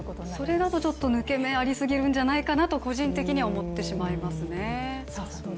それだとちょっと抜けがありすぎるんじゃないかなと、個人的には思ってしまいますね。